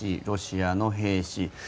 ロシアの兵士